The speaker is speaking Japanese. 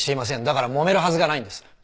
だから揉めるはずがないんです。